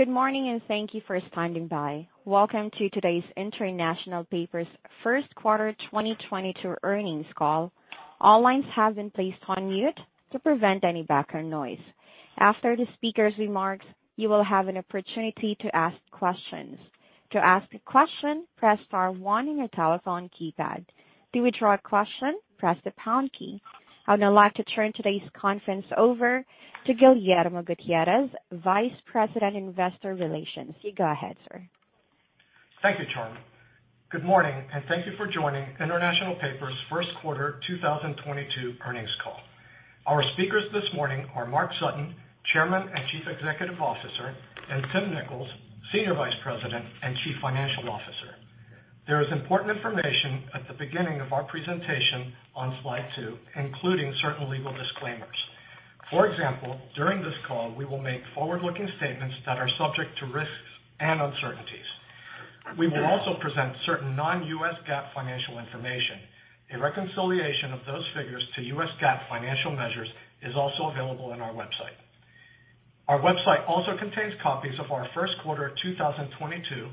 Good morning, and thank you for standing by. Welcome to today's International Paper first quarter 2022 earnings call. All lines have been placed on mute to prevent any background noise. After the speaker's remarks, you will have an opportunity to ask questions. To ask a question, press star one on your telephone keypad. To withdraw a question, press the pound key. I would now like to turn today's conference over to Guillermo Gutierrez, Vice President, Investor Relations. You go ahead, sir. Thank you, Char. Good morning, and thank you for joining International Paper's first quarter 2022 earnings call. Our speakers this morning are Mark Sutton, Chairman and Chief Executive Officer, and Tim Nicholls, Senior Vice President and Chief Financial Officer. There is important information at the beginning of our presentation on slide 2, including certain legal disclaimers. For example, during this call, we will make forward-looking statements that are subject to risks and uncertainties. We will also present certain non-GAAP financial information. A reconciliation of those figures to GAAP financial measures is also available on our website. Our website also contains copies of our first quarter of 2022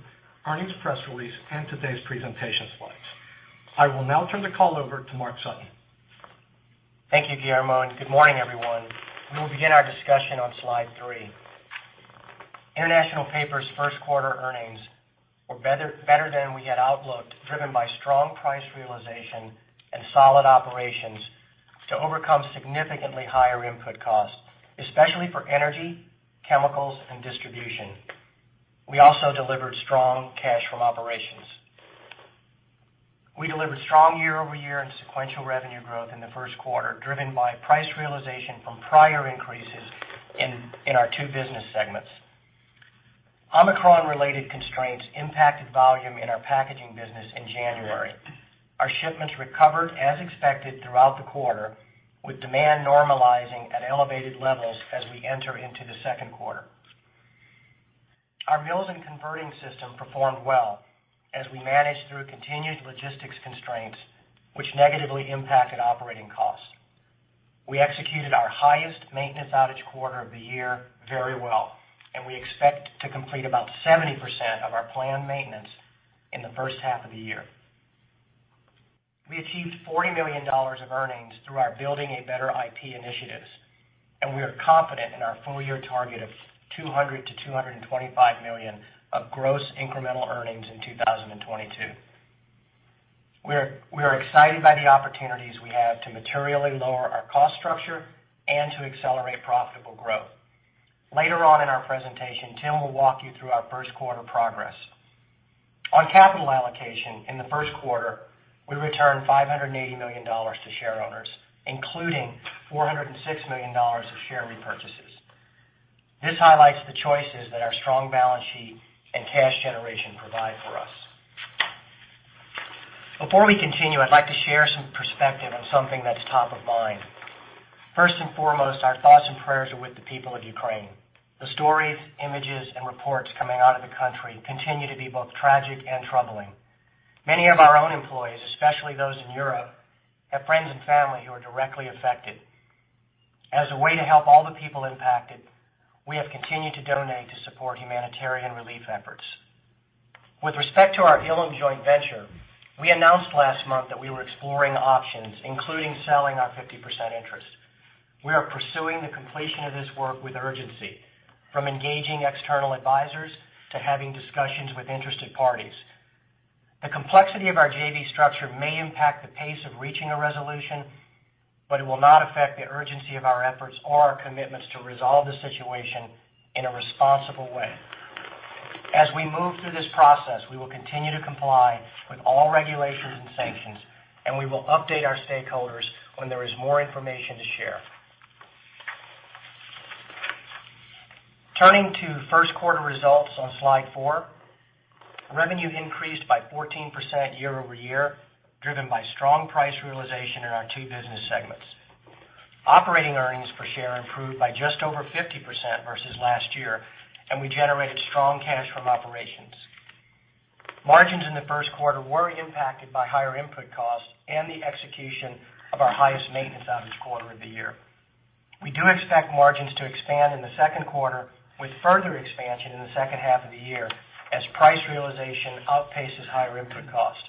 earnings press release and today's presentation slides. I will now turn the call over to Mark Sutton. Thank you, Guillermo, and good morning, everyone. We will begin our discussion on slide three. International Paper's first quarter earnings were better than we had outlooked, driven by strong price realization and solid operations to overcome significantly higher input costs, especially for energy, chemicals, and distribution. We also delivered strong cash from operations. We delivered strong year-over-year and sequential revenue growth in the first quarter, driven by price realization from prior increases in our two business segments. Omicron-related constraints impacted volume in our packaging business in January. Our shipments recovered as expected throughout the quarter, with demand normalizing at elevated levels as we enter into the second quarter. Our mills and converting system performed well as we managed through continued logistics constraints, which negatively impacted operating costs. We executed our highest maintenance outage quarter of the year very well, and we expect to complete about 70% of our planned maintenance in the first half of the year. We achieved $40 million of earnings through our Building a Better IP initiatives, and we are confident in our full-year target of $200 million-$225 million of gross incremental earnings in 2022. We are excited by the opportunities we have to materially lower our cost structure and to accelerate profitable growth. Later on in our presentation, Tim will walk you through our first quarter progress. On capital allocation in the first quarter, we returned $580 million to share owners, including $406 million of share repurchases. This highlights the choices that our strong balance sheet and cash generation provide for us. Before we continue, I'd like to share some perspective on something that's top of mind. First and foremost, our thoughts and prayers are with the people of Ukraine. The stories, images, and reports coming out of the country continue to be both tragic and troubling. Many of our own employees, especially those in Europe, have friends and family who are directly affected. As a way to help all the people impacted, we have continued to donate to support humanitarian relief efforts. With respect to our Ilim joint venture, we announced last month that we were exploring options, including selling our 50% interest. We are pursuing the completion of this work with urgency, from engaging external advisors to having discussions with interested parties. The complexity of our JV structure may impact the pace of reaching a resolution, but it will not affect the urgency of our efforts or our commitments to resolve the situation in a responsible way. As we move through this process, we will continue to comply with all regulations and sanctions, and we will update our stakeholders when there is more information to share. Turning to first quarter results on slide four, revenue increased by 14% year-over-year, driven by strong price realization in our two business segments. Operating earnings per share improved by just over 50% versus last year, and we generated strong cash from operations. Margins in the first quarter were impacted by higher input costs and the execution of our highest maintenance outage quarter of the year. We do expect margins to expand in the second quarter, with further expansion in the second half of the year as price realization outpaces higher input costs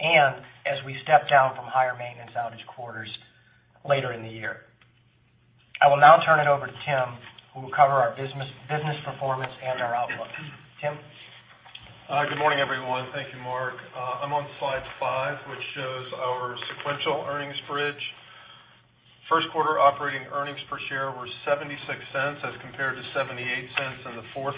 and as we step down from higher maintenance outage quarters later in the year. I will now turn it over to Tim, who will cover our business performance and our outlook. Tim? Good morning, everyone. Thank you, Mark. I'm on slide five, which shows our sequential earnings bridge. First quarter operating earnings per share were $0.76 as compared to $0.78 in the fourth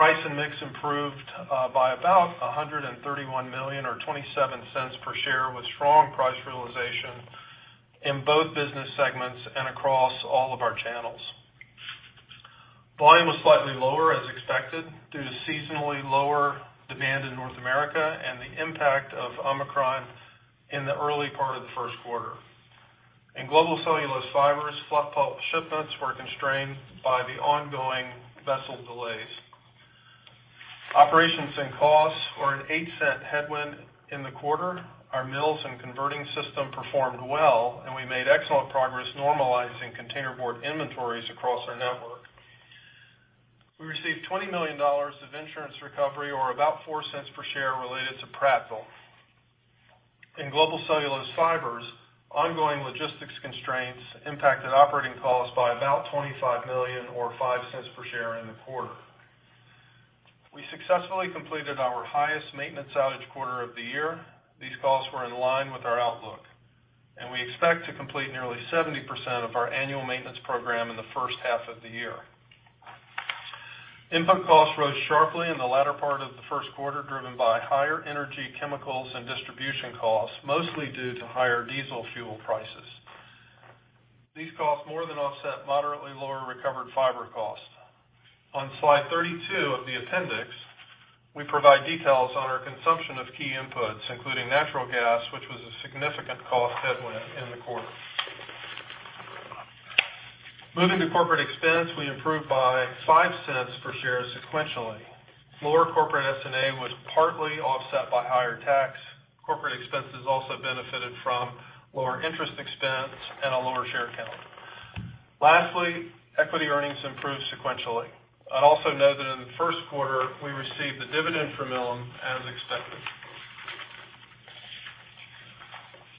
quarter. Price and mix improved by about $131 million or $0.27 per share, with strong price realization in both business segments and across all of our channels. Volume was slightly lower as expected due to seasonally lower demand in North America and the impact of Omicron in the early part of the first quarter. In Global Cellulose Fibers, fluff pulp shipments were constrained by the ongoing vessel delays. Operations and costs were an $0.08 headwind in the quarter. Our mills and converting system performed well, and we made excellent progress normalizing containerboard inventories across our network. We received $20 million of insurance recovery, or about 4 cents per share related to Prattville. In Global Cellulose Fibers, ongoing logistics constraints impacted operating costs by about $25 million or $0.05 Per share in the quarter. We successfully completed our highest maintenance outage quarter of the year. These costs were in line with our outlook, and we expect to complete nearly 70% of our annual maintenance program in the first half of the year. Input costs rose sharply in the latter part of the first quarter, driven by higher energy, chemicals, and distribution costs, mostly due to higher diesel fuel prices. These costs more than offset moderately lower recovered fiber costs. On slide 32 of the appendix, we provide details on our consumption of key inputs, including natural gas, which was a significant cost headwind in the quarter. Moving to corporate expense, we improved by $0.05 per share sequentially. Lower corporate SG&A was partly offset by higher tax. Corporate expenses also benefited from lower interest expense and a lower share count. Lastly, equity earnings improved sequentially. I'd also note that in the first quarter, we received the dividend from Ilim as expected.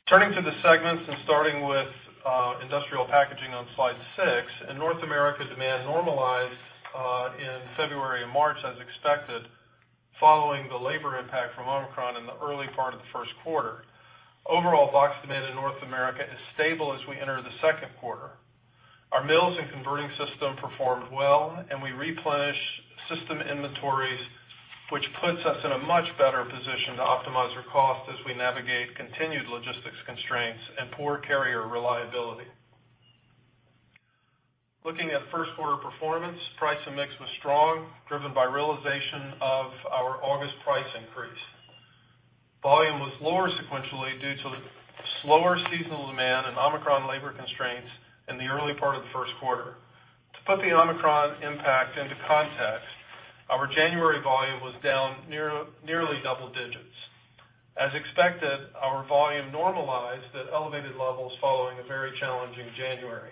Turning to the segments, starting with Industrial Packaging on Slide six. In North America, demand normalized in February and March as expected, following the labor impact from Omicron in the early part of the first quarter. Overall, box demand in North America is stable as we enter the second quarter. Our mills and converting system performed well, and we replenished system inventories, which puts us in a much better position to optimize our cost as we navigate continued logistics constraints and poor carrier reliability. Looking at first quarter performance, price and mix was strong, driven by realization of our August price increase. Volume was lower sequentially due to slower seasonal demand and Omicron labor constraints in the early part of the first quarter. To put the Omicron impact into context, our January volume was down nearly double digits. As expected, our volume normalized at elevated levels following a very challenging January.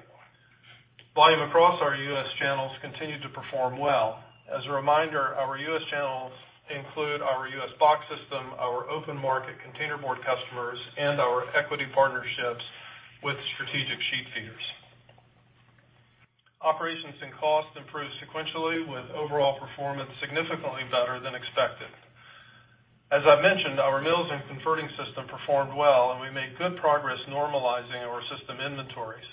Volume across our U.S. channels continued to perform well. As a reminder, our U.S. channels include our U.S. box system, our open market containerboard customers, and our equity partnerships with strategic sheet feeders. Operations and costs improved sequentially, with overall performance significantly better than expected. As I mentioned, our mills and converting system performed well, and we made good progress normalizing our system inventories.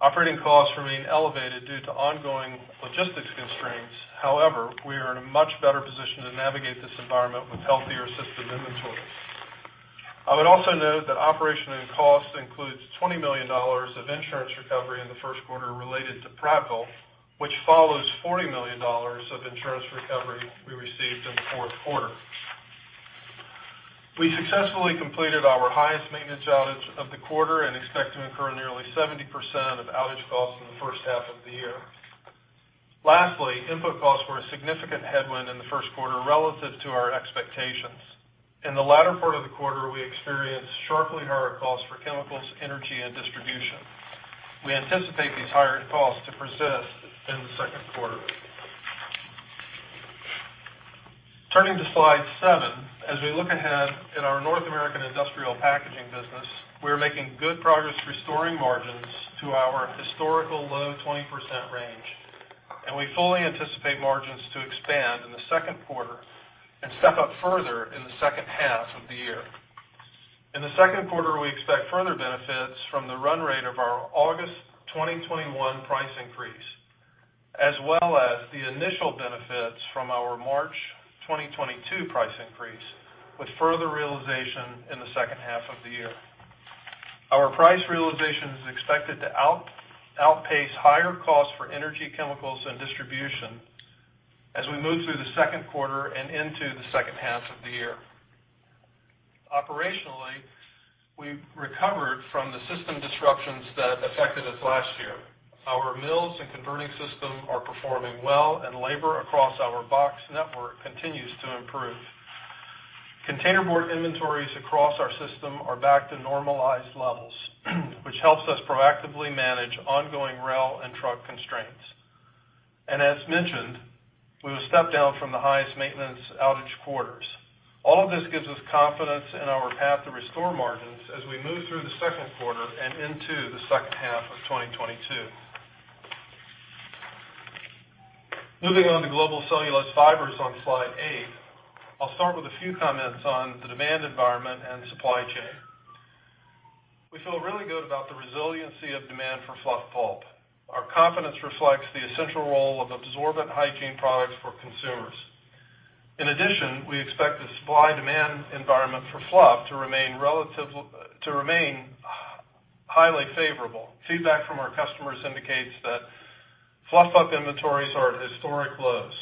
Operating costs remain elevated due to ongoing logistics constraints. However, we are in a much better position to navigate this environment with healthier system inventories. I would also note that operations and costs include $20 million of insurance recovery in the first quarter related to Prattville, which follows $40 million of insurance recovery we received in the fourth quarter. We successfully completed our highest maintenance outage of the quarter and expect to incur nearly 70% of outage costs in the first half of the year. Lastly, input costs were a significant headwind in the first quarter relative to our expectations. In the latter part of the quarter, we experienced sharply higher costs for chemicals, energy, and distribution. We anticipate these higher costs to persist in the second quarter. Turning to slide seven. As we look ahead at our North American Industrial Packaging business, we are making good progress restoring margins to our historical low 20% range, and we fully anticipate margins to expand in the second quarter and step up further in the second half of the year. In the second quarter, we expect further benefits from the run rate of our August 2021 price increase, as well as the initial benefits from our March 2022 price increase, with further realization in the second half of the year. Our price realization is expected to outpace higher costs for energy, chemicals, and distribution as we move through the second quarter and into the second half of the year. Operationally, we've recovered from the system disruptions that affected us last year. Our mills and converting system are performing well, and labor across our box network continues to improve. Containerboard inventories across our system are back to normalized levels, which helps us proactively manage ongoing rail and truck constraints. As mentioned, we will step down from the highest maintenance outage quarters. All of this gives us confidence in our path to restore margins as we move through the second quarter and into the second half of 2022. Moving on to Global Cellulose Fibers on Slide eight. I'll start with a few comments on the demand environment and supply chain. We feel really good about the resiliency of demand for fluff pulp. Our confidence reflects the essential role of absorbent hygiene products for consumers. In addition, we expect the supply demand environment for fluff to remain highly favorable. Feedback from our customers indicates that fluff pulp inventories are at historic lows.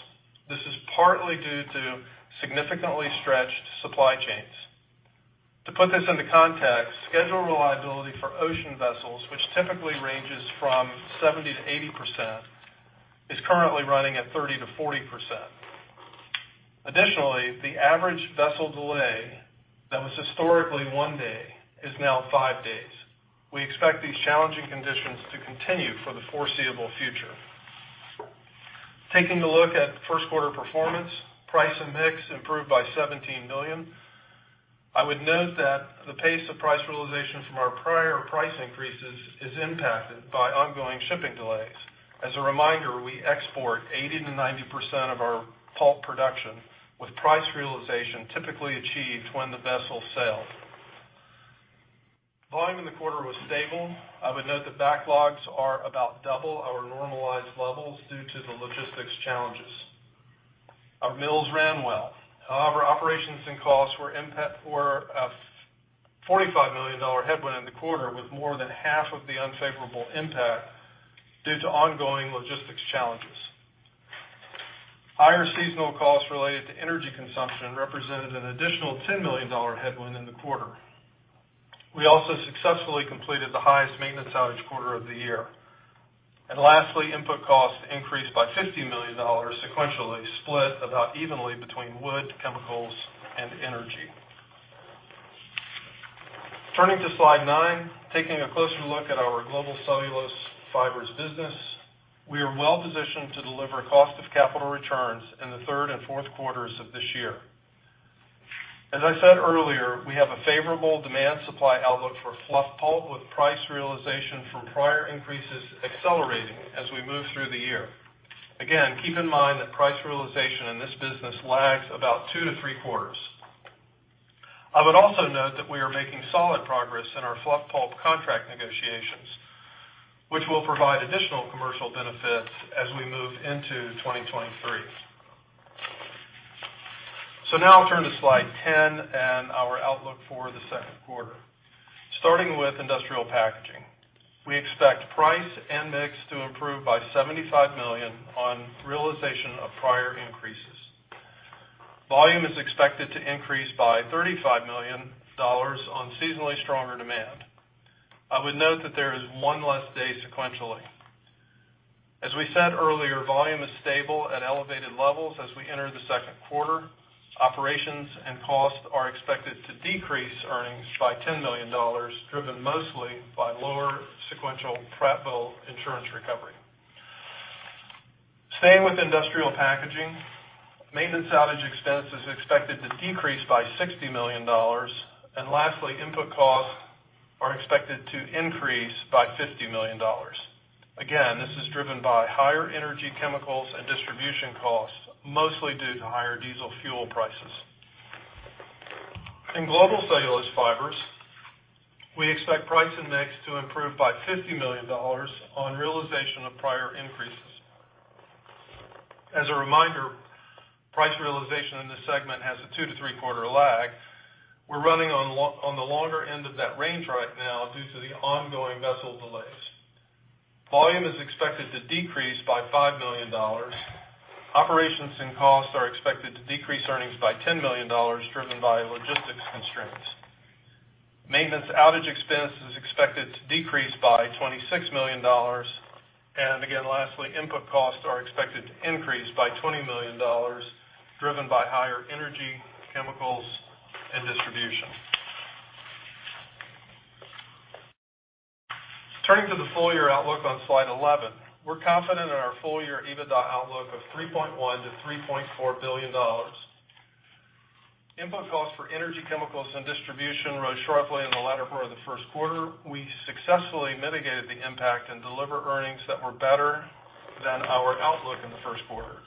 This is partly due to significantly stretched supply chains. To put this into context, schedule reliability for ocean vessels, which typically ranges from 70%-80%, is currently running at 30%-40%. Additionally, the average vessel delay that was historically 1 day is now 5 days. We expect these challenging conditions to continue for the foreseeable future. Taking a look at first quarter performance, price and mix improved by $17 million. I would note that the pace of price realization from our prior price increases is impacted by ongoing shipping delays. As a reminder, we export 80%-90% of our pulp production, with price realization typically achieved when the vessel sails. Volume in the quarter was stable. I would note that backlogs are about double our normalized levels due to the logistics challenges. Our mills ran well. However, operations and costs were a $45 million headwind in the quarter, with more than half of the unfavorable impact due to ongoing logistics challenges. Higher seasonal costs related to energy consumption represented an additional $10 million headwind in the quarter. We also successfully completed the highest maintenance outage quarter of the year. Lastly, input costs increased by $50 million sequentially, split about evenly between wood, chemicals, and energy. Turning to slide nine, taking a closer look at our Global Cellulose Fibers business. We are well-positioned to deliver cost of capital returns in the third and fourth quarters of this year. As I said earlier, we have a favorable demand supply outlook for fluff pulp, with price realization from prior increases accelerating as we move through the year. Again, keep in mind that price realization in this business lags about 2-3 quarters. I would also note that we are making solid progress in our fluff pulp contract negotiations, which will provide additional commercial benefits as we move into 2023. Now I'll turn to slide 10 and our outlook for the second quarter. Starting with industrial packaging. We expect price and mix to improve by $75 million on realization of prior increases. Volume is expected to increase by $35 million on seasonally stronger demand. I would note that there is one less day sequentially. As we said earlier, volume is stable at elevated levels as we enter the second quarter. Operations and costs are expected to decrease earnings by $10 million, driven mostly by lower sequential Prattville insurance recovery. Staying with industrial packaging, maintenance outage expense is expected to decrease by $60 million. Lastly, input costs are expected to increase by $50 million. Again, this is driven by higher energy, chemicals, and distribution costs, mostly due to higher diesel fuel prices. In Global Cellulose Fibers, we expect price and mix to improve by $50 million on realization of prior increases. As a reminder, price realization in this segment has a 2-3 quarter lag. We're running on the longer end of that range right now due to the ongoing vessel delays. Volume is expected to decrease by $5 million. Operations and costs are expected to decrease earnings by $10 million driven by logistics constraints. Maintenance outage expense is expected to decrease by $26 million. Again, lastly, input costs are expected to increase by $20 million, driven by higher energy, chemicals, and distribution. Turning to the full-year outlook on slide 11. We're confident in our full-year EBITDA outlook of $3.1 billion-$3.4 billion. Input costs for energy, chemicals, and distribution rose sharply in the latter part of the first quarter. We successfully mitigated the impact and delivered earnings that were better than our outlook in the first quarter.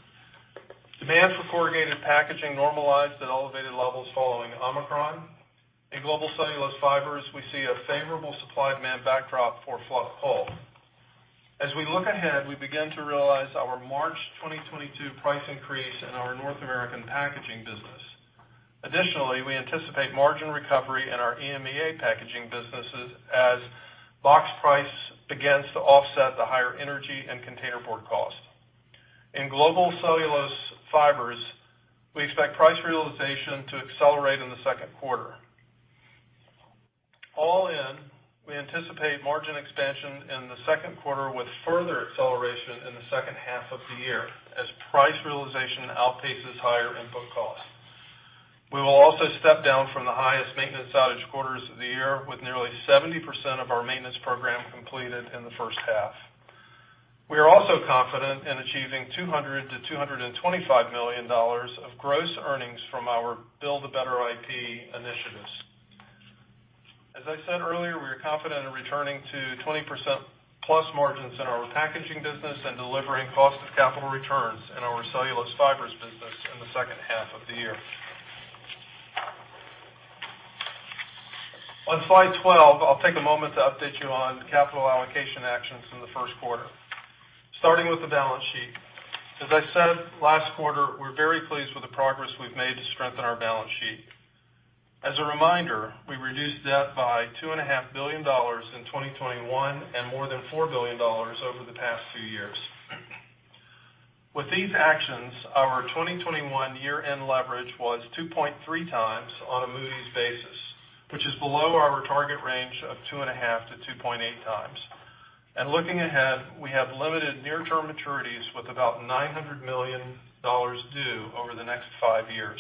Demand for corrugated packaging normalized at elevated levels following Omicron. In global cellulose fibers, we see a favorable supply demand backdrop for fluff pulp. As we look ahead, we begin to realize our March 2022 price increase in our North American packaging business. Additionally, we anticipate margin recovery in our EMEA packaging businesses as box price begins to offset the higher energy and containerboard cost. In global cellulose fibers, we expect price realization to accelerate in the second quarter. All in, we anticipate margin expansion in the second quarter with further acceleration in the second half of the year as price realization outpaces higher input costs. We will also step down from the highest maintenance outage quarters of the year with nearly 70% of our maintenance program completed in the first half. We are also confident in achieving $200 million-$225 million of gross earnings from our Build a Better IP initiatives. As I said earlier, we are confident in returning to 20%+ margins in our packaging business and delivering cost of capital returns in our cellulose fibers business in the second half of the year. On slide 12, I'll take a moment to update you on the capital allocation actions in the first quarter. Starting with the balance sheet. As I said last quarter, we're very pleased with the progress we've made to strengthen our balance sheet. As a reminder, we reduced debt by $2.5 billion in 2021 and more than $4 billion over the past few years. With these actions, our 2021 year-end leverage was 2.3x on a Moody's basis, which is below our target range of 2.5x-2.8x. Looking ahead, we have limited near-term maturities with about $900 million due over the next five years.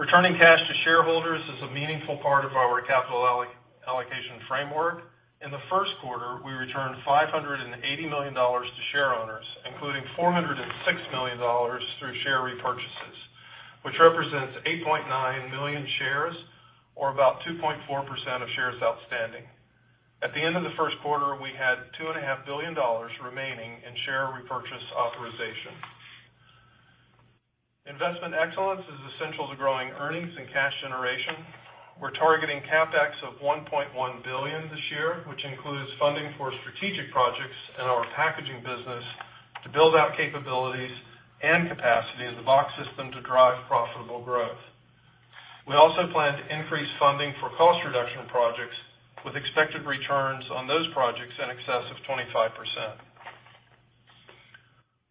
Returning cash to shareholders is a meaningful part of our capital allocation framework. In the first quarter, we returned $580 million to share owners, including $406 million through share repurchases, which represents 8.9 million shares, or about 2.4% of shares outstanding. At the end of the first quarter, we had $2.5 billion remaining in share repurchase authorization. Investment excellence is essential to growing earnings and cash generation. We're targeting CapEx of $1.1 billion this year, which includes funding for strategic projects in our packaging business to build out capabilities and capacity in the box system to drive profitable growth. We also plan to increase funding for cost reduction projects with expected returns on those projects in excess of 25%.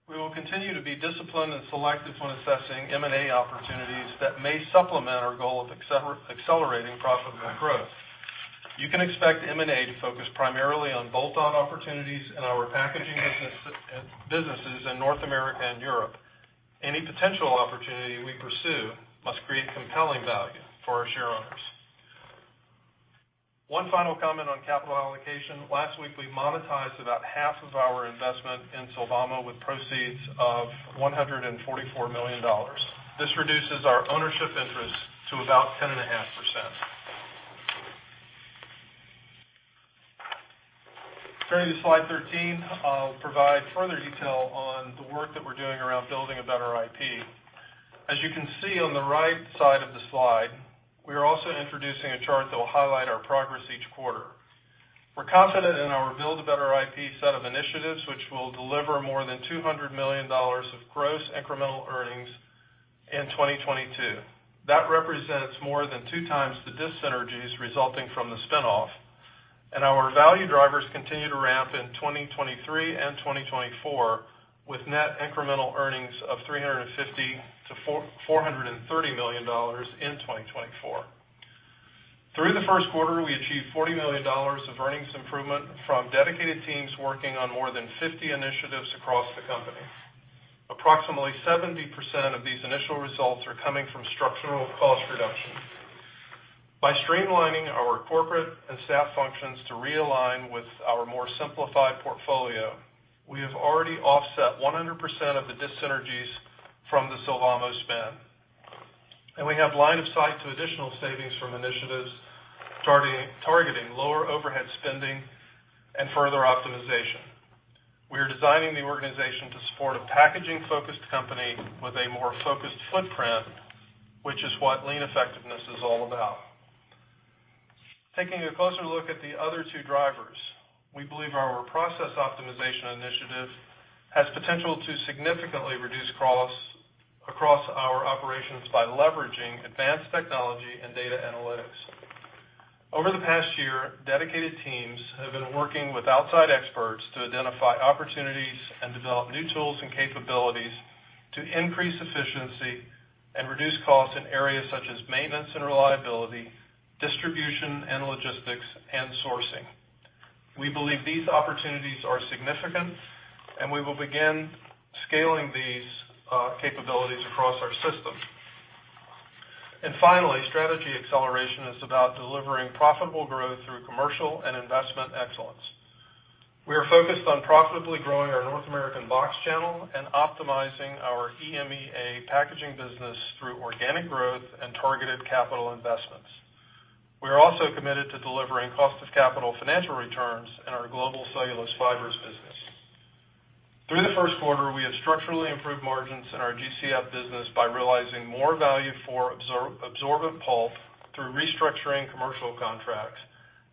We will continue to be disciplined and selective when assessing M&A opportunities that may supplement our goal of accelerating profitable growth. You can expect M&A to focus primarily on bolt-on opportunities in our packaging businesses in North America and Europe. Any potential opportunity we pursue must create compelling value for our shareowners. One final comment on capital allocation. Last week, we monetized about half of our investment in Sylvamo with proceeds of $144 million. This reduces our ownership interest to about 10.5%. Turning to slide 13, I'll provide further detail on the work that we're doing around Building a Better IP. As you can see on the right side of the slide, we are also introducing a chart that will highlight our progress each quarter. We're confident in our Build a Better IP set of initiatives, which will deliver more than $200 million of gross incremental earnings in 2022. That represents more than 2x the dis-synergies resulting from the spin-off, and our value drivers continue to ramp in 2023 and 2024, with net incremental earnings of $350 million-$440 million in 2024. Through the first quarter, we achieved $40 million of earnings improvement from dedicated teams working on more than 50 initiatives across the company. Approximately 70% of these initial results are coming from structural cost reductions. By streamlining our corporate and staff functions to realign with our more simplified portfolio, we have already offset 100% of the dis-synergies from the Sylvamo spin, and we have line of sight to additional savings from initiatives targeting lower overhead spending and further optimization. We are designing the organization to support a packaging-focused company with a more focused footprint, which is what lean effectiveness is all about. Taking a closer look at the other two drivers, we believe our process optimization initiative has potential to significantly reduce costs across our operations by leveraging advanced technology and data analytics. Over the past year, dedicated teams have been working with outside experts to identify opportunities and develop new tools and capabilities to increase efficiency and reduce costs in areas such as maintenance and reliability, distribution and logistics, and sourcing. We believe these opportunities are significant, and we will begin scaling these capabilities across our system. Finally, strategy acceleration is about delivering profitable growth through commercial and investment excellence. We are focused on profitably growing our North American box channel and optimizing our EMEA packaging business through organic growth and targeted capital investments. We are also committed to delivering cost of capital financial returns in our global cellulose fibers business. Through the first quarter, we have structurally improved margins in our GCF business by realizing more value for absorbent pulp through restructuring commercial contracts,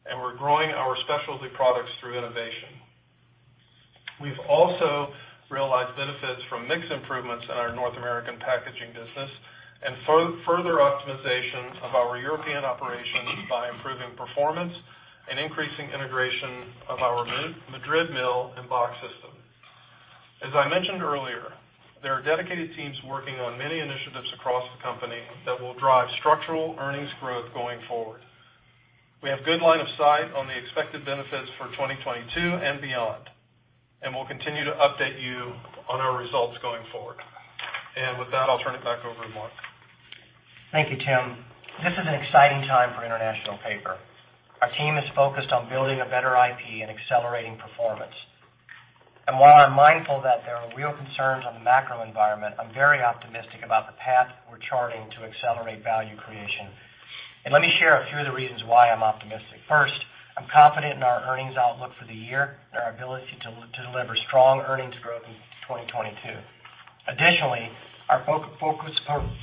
and we're growing our specialty products through innovation. We've also realized benefits from mix improvements in our North American packaging business and further optimization of our European operations by improving performance and increasing integration of our Madrid mill and box system. As I mentioned earlier, there are dedicated teams working on many initiatives across the company that will drive structural earnings growth going forward. We have good line of sight on the expected benefits for 2022 and beyond, and we'll continue to update you on our results going forward. With that, I'll turn it back over to Mark. Thank you, Tim. This is an exciting time for International Paper. Our team is focused on building a better IP and accelerating performance. While I'm mindful that there are real concerns on the macro environment, I'm very optimistic about the path we're charting to accelerate value creation. Let me share a few of the reasons why I'm optimistic. First, I'm confident in our earnings outlook for the year and our ability to deliver strong earnings growth in 2022. Additionally, our focus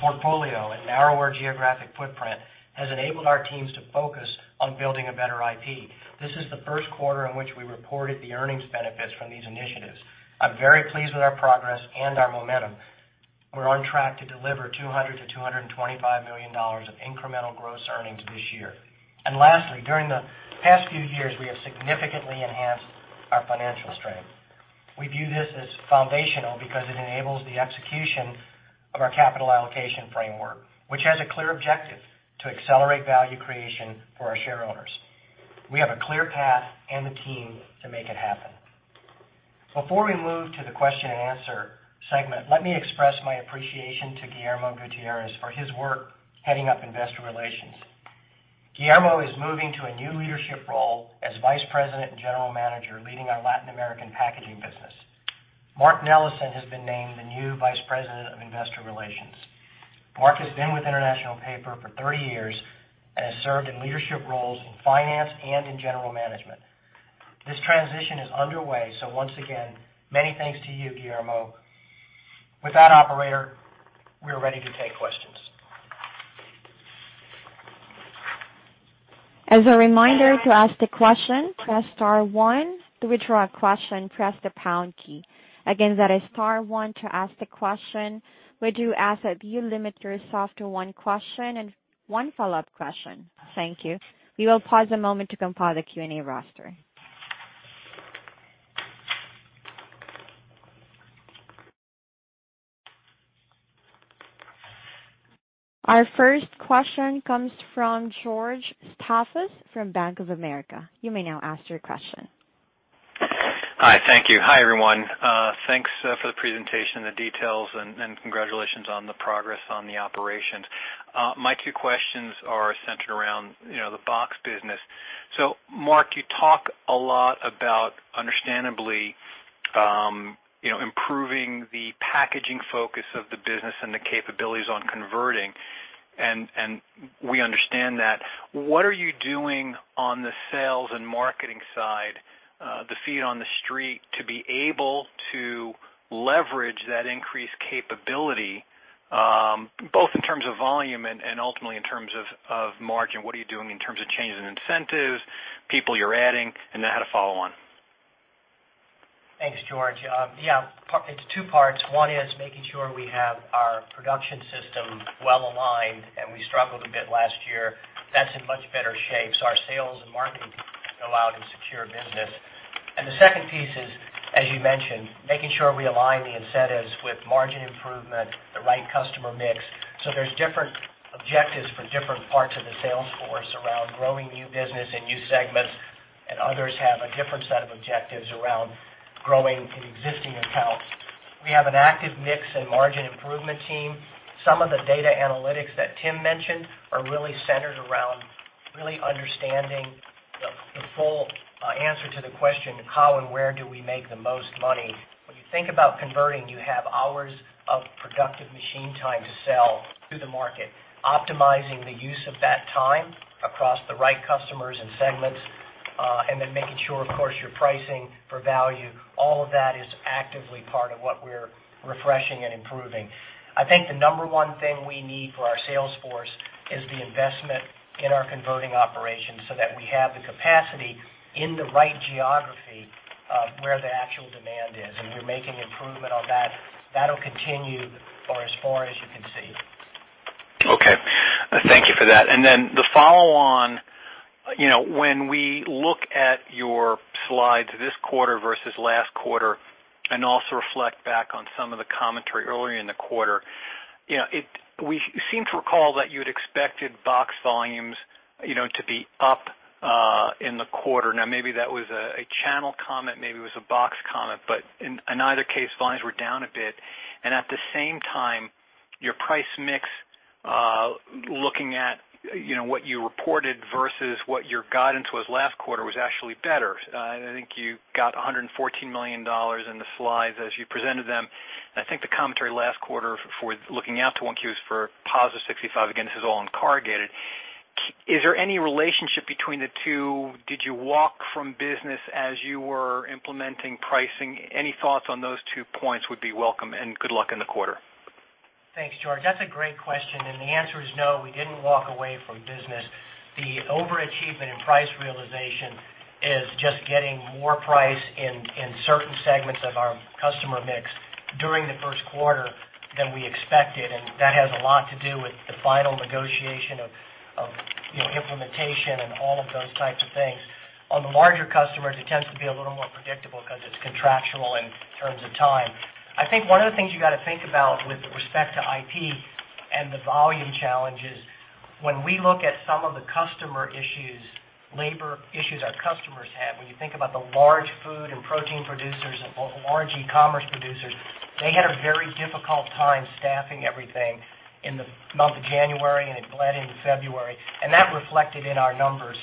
portfolio and narrower geographic footprint has enabled our teams to focus on building a better IP. This is the first quarter in which we reported the earnings benefits from these initiatives. I'm very pleased with our progress and our momentum. We're on track to deliver $200 million-$225 million of incremental gross earnings this year. Lastly, during the past few years, we have significantly enhanced our financial strength. We view this as foundational because it enables the execution of our capital allocation framework, which has a clear objective to accelerate value creation for our shareholders. We have a clear path and the team to make it happen. Before we move to the question-and-answer segment, let me express my appreciation to Guillermo Gutierrez for his work heading up investor relations. Guillermo is moving to a new leadership role as Vice President and General Manager, leading our Latin American packaging business. Mark Nellessen has been named the new Vice President of Investor Relations. Mark has been with International Paper for 30 years and has served in leadership roles in finance and in general management. This transition is underway, so once again, many thanks to you, Guillermo. With that, operator, we are ready to take questions. As a reminder, to ask the question, press star one. To withdraw a question, press the pound key. Again, that is star one to ask the question. We do ask that you limit yourself to one question and one follow-up question. Thank you. We will pause a moment to compile the Q&A roster. Our first question comes from George Staphos from Bank of America. You may now ask your question. Hi. Thank you. Hi, everyone. Thanks for the presentation, the details, and congratulations on the progress on the operations. My two questions are centered around, you know, the box business. Mark, you talk a lot about understandably, you know, improving the packaging focus of the business and the capabilities on converting, and we understand that. What are you doing on the sales and marketing side, the feet on the street, to be able to leverage that increased capability, both in terms of volume and ultimately in terms of margin? What are you doing in terms of changes in incentives, people you're adding, and then I had a follow-on. Thanks, George. Yeah, it's two parts. One is making sure we have our production system well aligned, and we struggled a bit last year. That's in much better shape, so our sales and marketing people can go out and secure business. The second piece is, as you mentioned, making sure we align the incentives with margin improvement, the right customer mix. There's different objectives for different parts of the sales force around growing new business and new segments, and others have a different set of objectives around growing in existing accounts. We have an active mix and margin improvement team. Some of the data analytics that Tim mentioned are really centered around really understanding the full answer to the question, how and where do we make the most money? When you think about converting, you have hours of productive machine time to sell to the market, optimizing the use of that time across the right customers and segments, and then making sure, of course, you're pricing for value. All of that is actively part of what we're refreshing and improving. I think the number one thing we need for our sales force is the investment in our converting operations, so that we have the capacity in the right geography, where the actual demand is, and we're making improvement on that. That'll continue for as far as you can see. Okay. Thank you for that. The follow-on, you know, when we look at your slides this quarter versus last quarter and also reflect back on some of the commentary earlier in the quarter, you know, we seem to recall that you'd expected box volumes, you know, to be up in the quarter. Now maybe that was a channel comment, maybe it was a box comment, but in either case, volumes were down a bit. At the same time, your price mix, looking at, you know, what you reported versus what your guidance was last quarter was actually better. I think you got $114 million in the slides as you presented them. I think the commentary last quarter for looking out to 1Q is for +$65 million. Again, this is all in corrugated. Is there any relationship between the two? Did you walk away from business as you were implementing pricing? Any thoughts on those two points would be welcome, and good luck in the quarter. Thanks, George. That's a great question, and the answer is no, we didn't walk away from business. The overachievement in price realization is just getting more price in certain segments of our customer mix during the first quarter than we expected, and that has a lot to do with the final negotiation of you know, implementation and all of those types of things. On the larger customers, it tends to be a little more predictable because it's contractual in terms of time. I think one of the things you gotta think about with respect to IP and the volume challenge is when we look at some of the customer issues, labor issues our customers have, when you think about the large food and protein producers or large e-commerce producers, they had a very difficult time staffing everything in the month of January, and it bled into February, and that reflected in our numbers.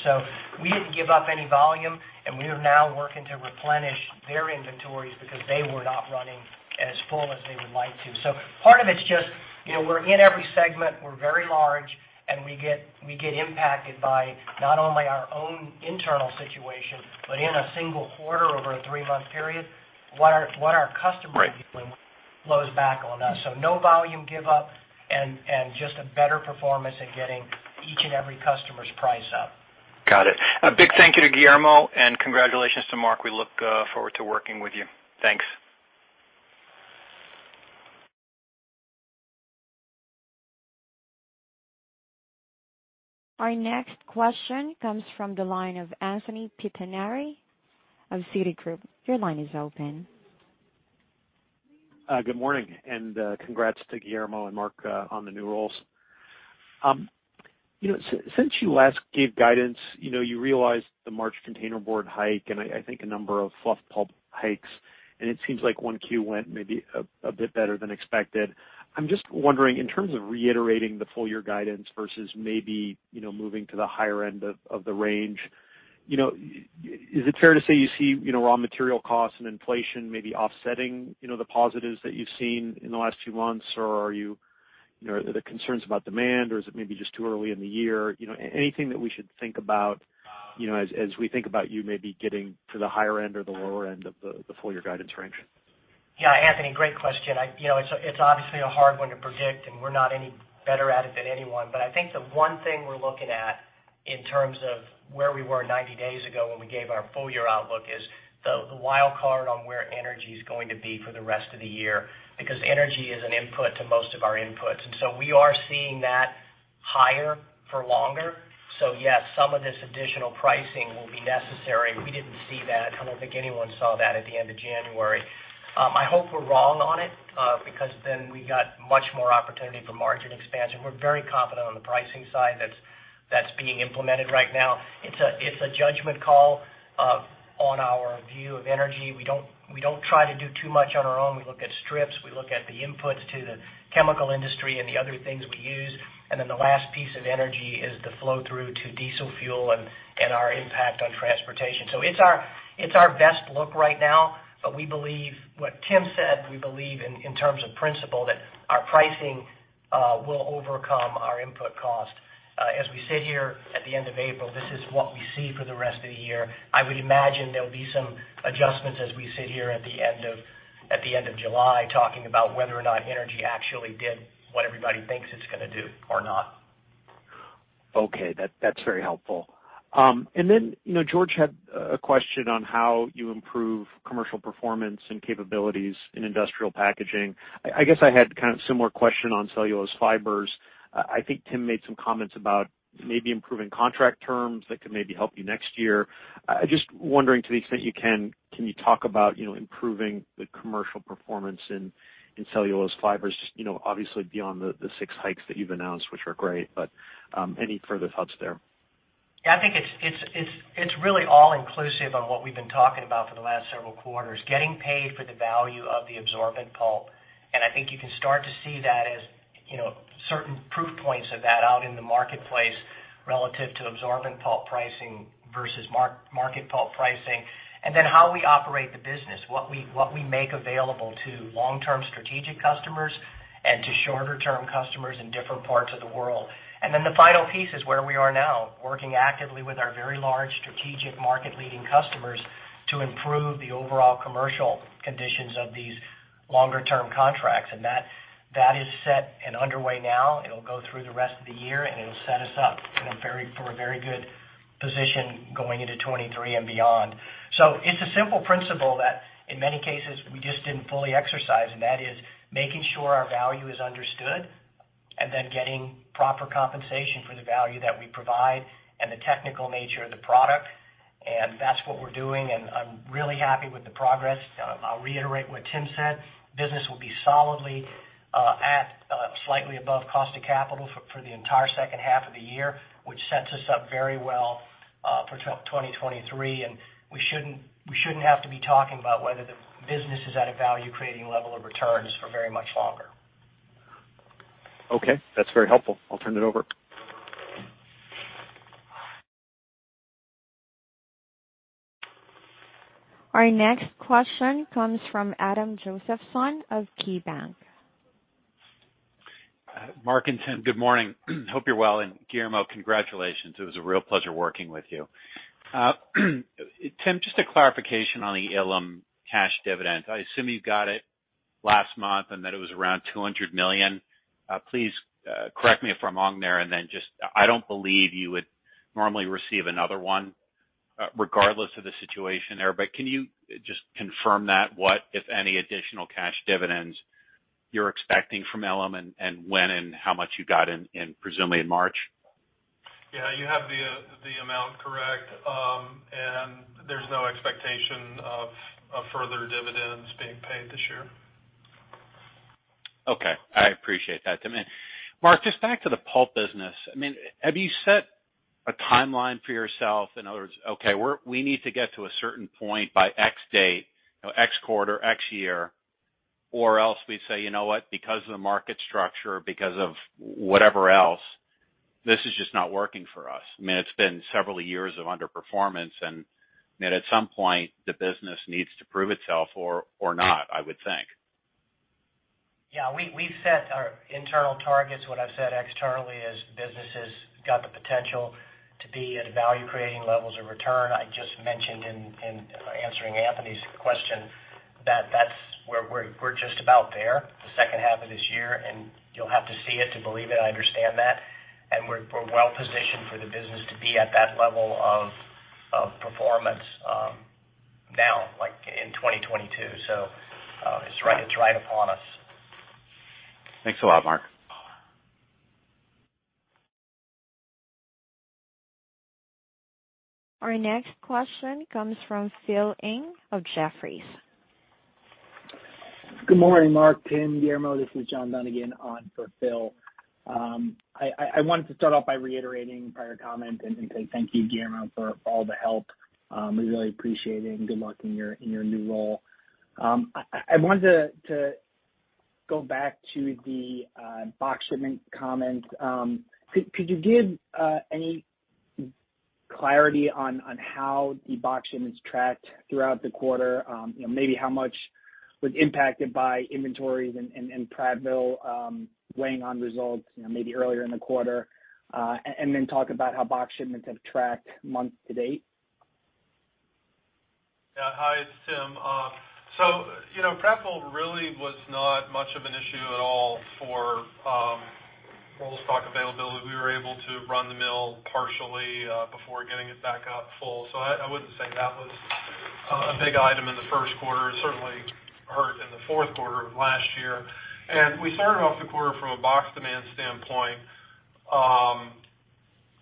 We didn't give up any volume, and we are now working to replenish their inventories because they were not running as full as they would like to. Part of it's just, you know, we're in every segment, we're very large, and we get impacted by not only our own internal situation, but in a single quarter over a three-month period, what our customer flows back on us. No volume give up and just a better performance in getting each and every customer's price up. Got it. A big thank you to Guillermo, and congratulations to Mark. We look forward to working with you. Thanks. Our next question comes from the line of Anthony Pettinari of Citigroup. Your line is open. Good morning, and congrats to Guillermo and Mark on the new roles. Since you last gave guidance, you know, you realized the March containerboard hike, and I think a number of fluff pulp hikes, and it seems like 1Q went maybe a bit better than expected. I'm just wondering, in terms of reiterating the full year guidance versus maybe, you know, moving to the higher end of the range, you know, is it fair to say you see, you know, raw material costs and inflation maybe offsetting, you know, the positives that you've seen in the last few months? Or are you know, are the concerns about demand or is it maybe just too early in the year? You know, anything that we should think about, you know, as we think about you maybe getting to the higher end or the lower end of the full year guidance range? Yeah, Anthony, great question. You know, it's obviously a hard one to predict, and we're not any better at it than anyone. I think the one thing we're looking at in terms of where we were 90 days ago when we gave our full year outlook is the wild card on where energy is going to be for the rest of the year, because energy is an input to most of our inputs. We are seeing that higher for longer. Yes, some of this additional pricing will be necessary. We didn't see that. I don't think anyone saw that at the end of January. I hope we're wrong on it, because then we got much more opportunity for margin expansion. We're very confident on the pricing side that's being implemented right now. It's a judgment call on our view of energy. We don't try to do too much on our own. We look at strips, we look at the inputs to the chemical industry and the other things we use. Then the last piece of energy is the flow-through to diesel fuel and our impact on transportation. It's our best look right now, but we believe what Tim said, we believe in terms of principle, that our pricing will overcome our input cost. As we sit here at the end of April, this is what we see for the rest of the year. I would imagine there'll be some adjustments as we sit here at the end of July talking about whether or not energy actually did what everybody thinks it's gonna do or not. Okay. That’s very helpful. Then, you know, George had a question on how you improve commercial performance and capabilities in industrial packaging. I guess I had kind of similar question on cellulose fibers. I think Tim made some comments about maybe improving contract terms that could maybe help you next year. Just wondering, to the extent you can you talk about, you know, improving the commercial performance in cellulose fibers, you know, obviously beyond the six hikes that you’ve announced, which are great, but any further thoughts there? Yeah, I think it's really all inclusive on what we've been talking about for the last several quarters. Getting paid for the value of the absorbent pulp, and I think you can start to see that as, you know, certain proof points of that out in the marketplace relative to absorbent pulp pricing versus market pulp pricing. Then how we operate the business, what we make available to long-term strategic customers and to shorter-term customers in different parts of the world. Then the final piece is where we are now, working actively with our very large strategic market leading customers to improve the overall commercial conditions of these longer term contracts. That is set and underway now. It'll go through the rest of the year, and it'll set us up in a very good position going into 2023 and beyond. It's a simple principle that in many cases we just didn't fully exercise, and that is making sure our value is understood, and then getting proper compensation for the value that we provide and the technical nature of the product, and that's what we're doing. I'm really happy with the progress. I'll reiterate what Tim said. Business will be solidly at slightly above cost of capital for the entire second half of the year, which sets us up very well for 2023. We shouldn't have to be talking about whether the business is at a value-creating level of returns for very much longer. Okay, that's very helpful. I'll turn it over. Our next question comes from Adam Josephson of KeyBanc Capital Markets. Mark and Tim, good morning. Hope you're well. Guillermo, congratulations. It was a real pleasure working with you. Tim, just a clarification on the Ilim cash dividend. I assume you got it last month and that it was around $200 million. Please correct me if I'm wrong there and then I don't believe you would normally receive another one, regardless of the situation there. But can you just confirm that what, if any, additional cash dividends you're expecting from Ilim and when and how much you got in presumably in March? Yeah. You have the amount correct. There's no expectation of further dividends being paid this year. Okay. I appreciate that, Tim. Mark, just back to the pulp business. I mean, have you set a timeline for yourself? In other words, okay, we need to get to a certain point by X date, you know, X quarter, X year, or else we say, "You know what? Because of the market structure, because of whatever else, this is just not working for us." I mean, it's been several years of underperformance, and, I mean, at some point the business needs to prove itself or not, I would think. Yeah. We've set our internal targets. What I've said externally is the business has got the potential to be at value-creating levels of return. I just mentioned in answering Anthony's question that we're just about there in the second half of this year, and you'll have to see it to believe it, I understand that. We're well-positioned for the business to be at that level of performance, now, like, in 2022. It's right upon us. Thanks a lot, Mark. Our next question comes from Phil Ng of Jefferies. Good morning, Mark, Tim, Guillermo. This is John Dunnigan on for Phil. I wanted to start off by reiterating prior comments and say thank you, Guillermo, for all the help. We really appreciate it, and good luck in your new role. I wanted to go back to the box shipment comment. Could you give any clarity on how the box shipments tracked throughout the quarter? You know, maybe how much was impacted by inventories and Prattville weighing on results, you know, maybe earlier in the quarter. And then talk about how box shipments have tracked month to date. Yeah. Hi, it's Tim. You know, Prattville really was not much of an issue at all for raw stock availability. We were able to run the mill partially before getting it back up full. I wouldn't say that was a big item in the first quarter. It certainly hurt in the fourth quarter of last year. We started off the quarter from a box demand standpoint.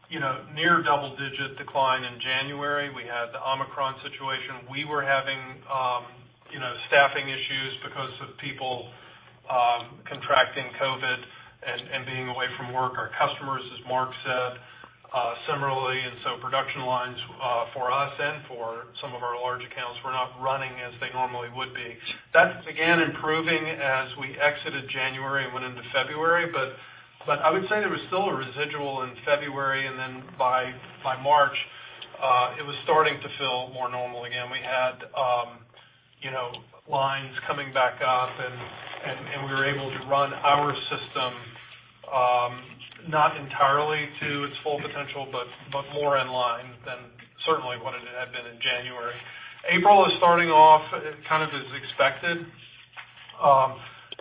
You know, near double-digit decline in January. We had the Omicron situation. We were having you know, staffing issues because of people contracting COVID and being away from work. Our customers, as Mark said, similarly, and so production lines for us and for some of our large accounts were not running as they normally would be. That began improving as we exited January and went into February. I would say there was still a residual in February, and then by March, it was starting to feel more normal again. We had, you know, lines coming back up and we were able to run our system, not entirely to its full potential, but more in line than certainly what it had been in January. April is starting off kind of as expected.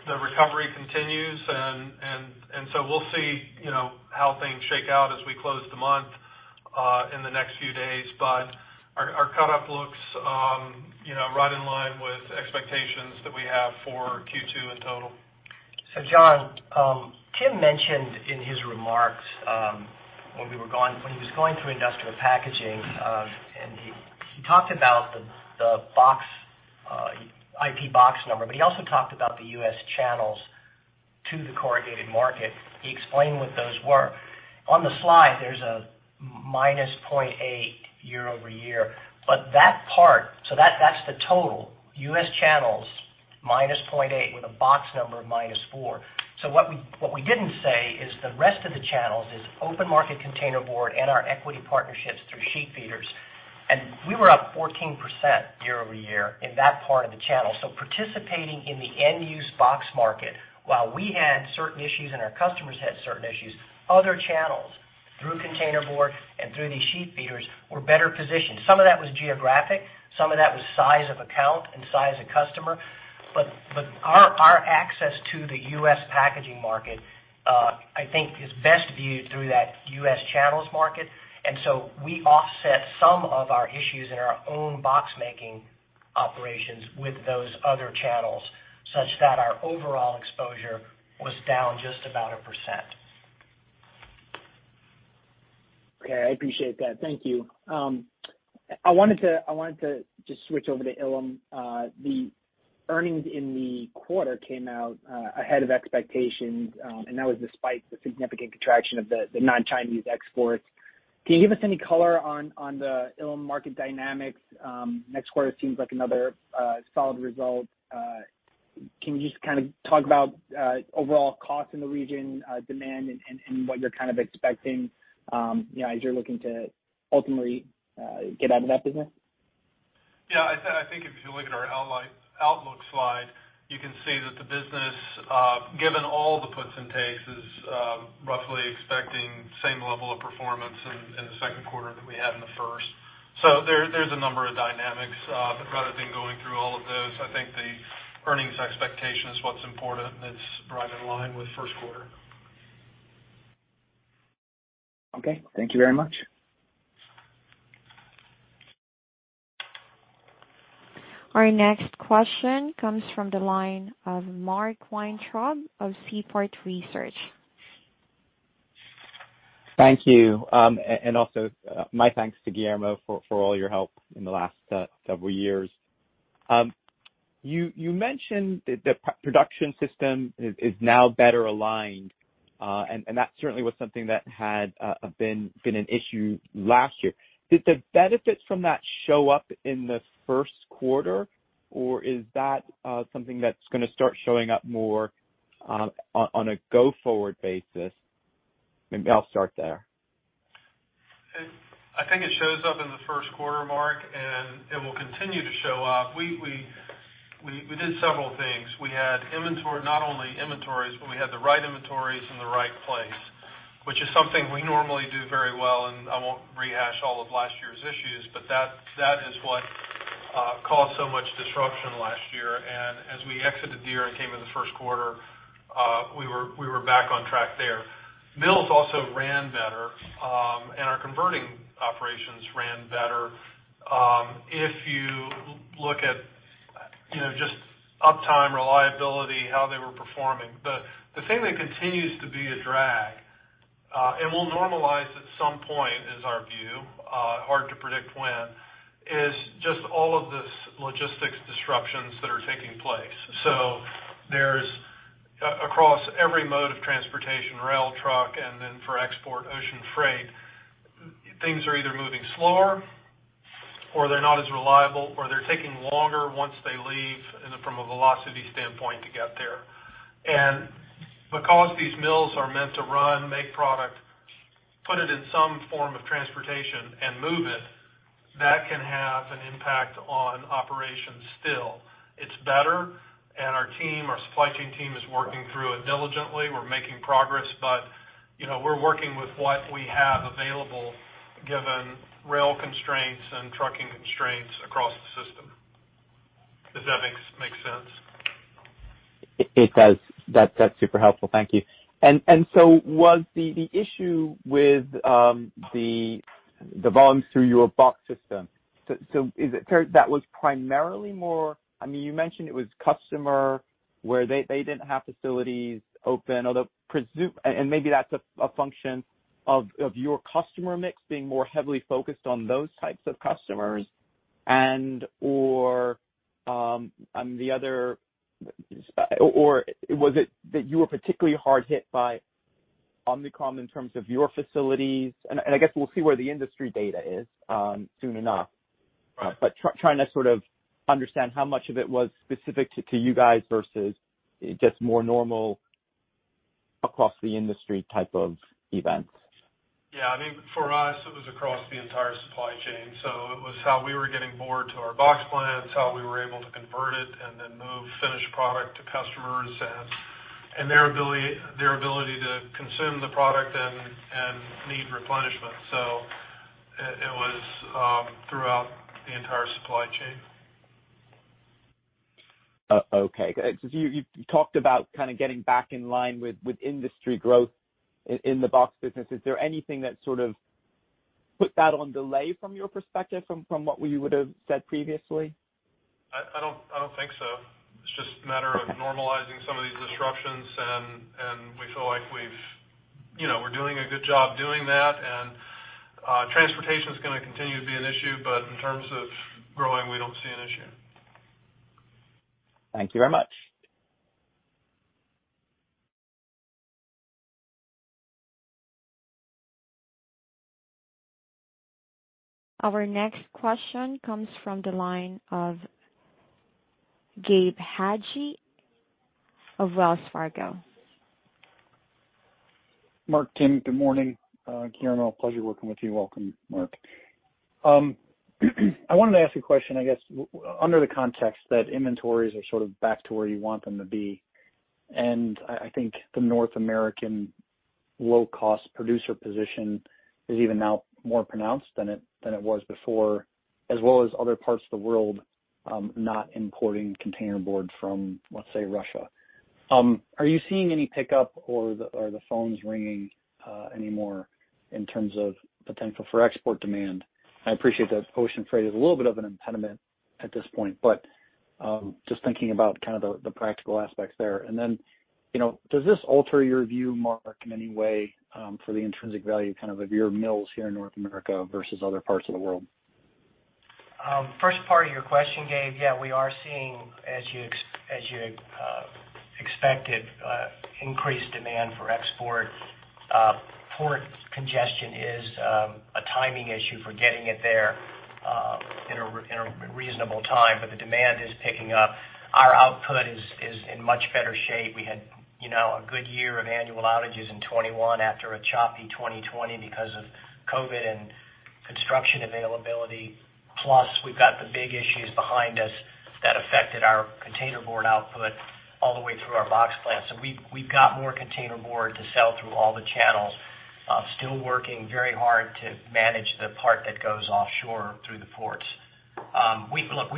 The recovery continues and so we'll see, you know, how things shake out as we close the month in the next few days. Our cut-up looks, you know, right in line with expectations that we have for Q2 in total. John, Tim mentioned in his remarks when he was going through industrial packaging, and he talked about the box IP box number, but he also talked about the U.S. channels to the corrugated market. He explained what those were. On the slide, there's a -0.8 year-over-year. That part, that's the total U.S. channels, -0.8 with a box number of -4. What we didn't say is the rest of the channels is open market containerboard and our equity partnerships through sheet feeders. We were up 14% year-over-year in that part of the channel. Participating in the end-use box market, while we had certain issues and our customers had certain issues, other channels, through containerboard and through these sheet feeders, were better positioned. Some of that was geographic, some of that was size of account and size of customer. Our access to the U.S. packaging market, I think, is best viewed through that U.S. channels market. We offset some of our issues in our own box-making operations with those other channels, such that our overall exposure was down just about 1%. Okay. I appreciate that. Thank you. I wanted to just switch over to Ilim. The earnings in the quarter came out ahead of expectations, and that was despite the significant contraction of the non-Chinese exports. Can you give us any color on the Ilim market dynamics? Next quarter seems like another solid result. Can you just kind of talk about overall cost in the region, demand and what you're kind of expecting, you know, as you're looking to ultimately get out of that business? Yeah. I think if you look at our outlook slide, you can see that the business, given all the puts and takes, is roughly expecting same level of performance in the second quarter that we had in the first. There, there's a number of dynamics. Rather than going through all of those, I think the earnings expectation is what's important, and it's right in line with first quarter. Okay. Thank you very much. Our next question comes from the line of Mark Weintraub of Seaport Research Partners. Thank you. Also, my thanks to Guillermo for all your help in the last several years. You mentioned the production system is now better aligned, and that certainly was something that had been an issue last year. Did the benefits from that show up in the first quarter, or is that something that's gonna start showing up more, on a go-forward basis? Maybe I'll start there. I think it shows up in the first quarter, Mark, and it will continue to show up. We did several things. We had not only inventories, but we had the right inventories in the right place. Which is something we normally do very well, and I won't rehash all of last year's issues, but that is what caused so much disruption last year. As we exited the year and came in the first quarter, we were back on track there. Mills also ran better, and our converting operations ran better. If you look at, you know, just uptime reliability, how they were performing. The thing that continues to be a drag and will normalize at some point, is our view, hard to predict when, just all of this logistics disruptions that are taking place. There's across every mode of transportation, rail, truck, and then for export, ocean freight. Things are either moving slower or they're not as reliable or they're taking longer once they leave from a velocity standpoint to get there. Because these mills are meant to run, make product, put it in some form of transportation, and move it, that can have an impact on operations still. It's better, and our team, our supply chain team, is working through it diligently. We're making progress, but, you know, we're working with what we have available, given rail constraints and trucking constraints across the system. Does that make sense? It does. That's super helpful. Thank you. Was the issue with the volumes through your box system? Is it fair? I mean, you mentioned it was customers where they didn't have facilities open. Maybe that's a function of your customer mix being more heavily focused on those types of customers and/or on the other. Or was it that you were particularly hard hit by Omicron in terms of your facilities? I guess we'll see where the industry data is soon enough. Trying to sort of understand how much of it was specific to you guys versus just more normal across the industry type of events. Yeah. I mean, for us, it was across the entire supply chain. It was how we were getting board to our box plants, how we were able to convert it, and then move finished product to customers and their ability to consume the product and need replenishment. It was throughout the entire supply chain. Okay. You talked about kind of getting back in line with industry growth in the box business. Is there anything that sort of put that on delay from your perspective, from what we would have said previously? I don't think so. It's just a matter of normalizing some of these disruptions and we feel like we've, you know, we're doing a good job doing that. Transportation is gonna continue to be an issue, but in terms of growing, we don't see an issue. Thank you very much. Our next question comes from the line of Gabe Hajde of Wells Fargo. Mark, Tim, good morning. Guillermo, a pleasure working with you. Welcome, Mark. I wanted to ask a question, I guess, under the context that inventories are sort of back to where you want them to be. I think the North American low-cost producer position is even now more pronounced than it was before, as well as other parts of the world not importing containerboard from, let's say, Russia. Are you seeing any pickup or the phones ringing anymore in terms of potential for export demand? I appreciate that ocean freight is a little bit of an impediment at this point, but just thinking about kind of the practical aspects there. You know, does this alter your view, Mark, in any way, for the intrinsic value kind of your mills here in North America versus other parts of the world? First part of your question, Gabe, yeah, we are seeing, as you expected, increased demand for export. Port congestion is a timing issue for getting it there in a reasonable time, but the demand is picking up. Our output is in much better shape. We had, you know, a good year of annual outages in 2021 after a choppy 2020 because of COVID and construction availability. Plus we've got the big issues behind us that affected our containerboard output all the way through our box plants. We've got more containerboard to sell through all the channels. Still working very hard to manage the part that goes offshore through the ports. Look,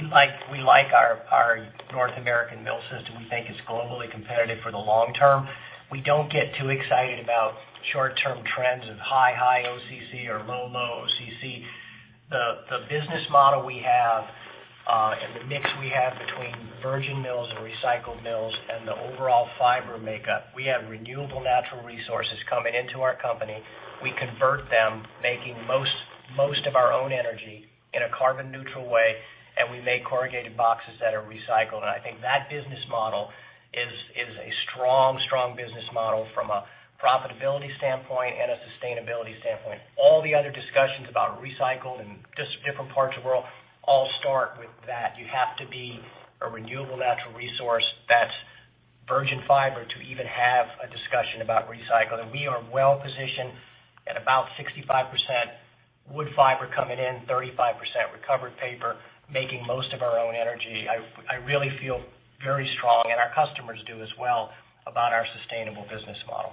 we like our North American mill system. We think it's globally competitive for the long term. We don't get too excited about short-term trends of high OCC or low OCC. The business model we have, and the mix we have between virgin mills and recycled mills and the overall fiber makeup, we have renewable natural resources coming into our company. We convert them, making most of our own energy in a carbon neutral way, and we make corrugated boxes that are recycled. I think that business model is a strong business model from a profitability standpoint and a sustainability standpoint. All the other discussions about recycled and just different parts of the world all start with that. You have to be a renewable natural resource that's virgin fiber to even have a discussion about recycled. We are well-positioned at about 65% wood fiber coming in, 35% recovered paper, making most of our own energy. I really feel very strong, and our customers do as well, about our sustainable business model.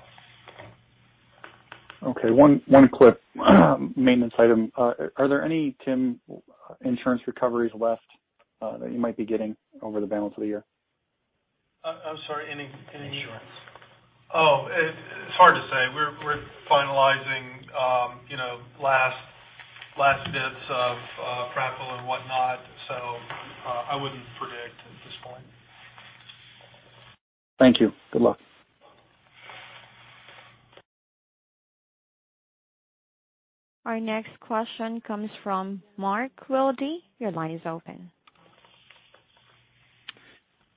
Okay. One quick maintenance item. Are there any, Tim, insurance recoveries left that you might be getting over the balance of the year? I'm sorry, any insurance? Oh, it's hard to say. We're finalizing, you know, last bits of prep and whatnot, so I wouldn't predict at this point. Thank you. Good luck. Our next question comes from Mark Wilde. Your line is open.